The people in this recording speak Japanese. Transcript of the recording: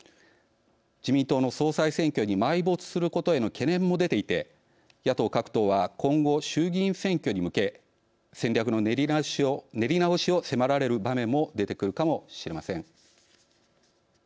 自民党の総裁選挙に埋没することへの懸念も出ていて野党各党は今後衆議院選挙に向け戦略の練り直しを迫られる場面も出てくるかもしれません。